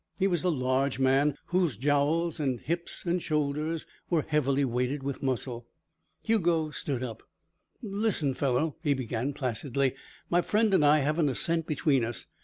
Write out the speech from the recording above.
He was a large man, whose jowls and hips and shoulders were heavily weighted with muscle. Hugo stood up. "Listen, fellow," he began placidly, "my friend and I haven't a cent between us.